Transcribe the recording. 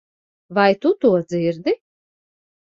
Vai tu to dzirdi?